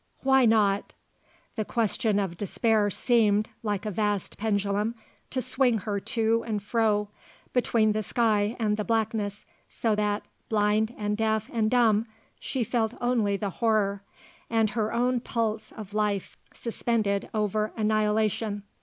Why not? The question of despair seemed, like a vast pendulum, to swing her to and fro between the sky and the blackness, so that, blind and deaf and dumb, she felt only the horror, and her own pulse of life suspended over annihilation.